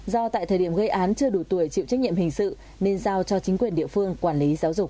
do tại thời điểm gây án chưa đủ tuổi chịu trách nhiệm hình sự nên giao cho chính quyền địa phương quản lý giáo dục